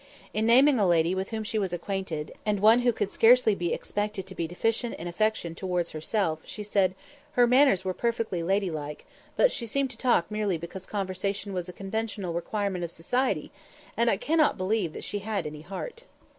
In naming a lady with whom she was acquainted, and one who could scarcely be expected to be deficient in affection towards herself, she said, "Her manners were perfectly ladylike, but she seemed to talk merely because conversation was a conventional requirement of society, and I cannot believe that she had any heart."